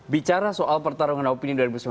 bicara soal pertarungan opini dua ribu sembilan belas